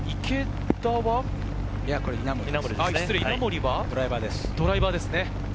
稲森はドライバーですね。